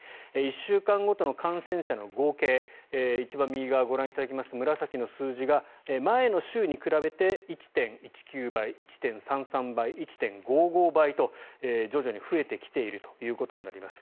１週間ごとの感染者の合計一番右側をご覧いただきますと紫の数字が前の週に比べて１．１９倍１．３３倍、１．５５倍と徐々に増えてきているということになります。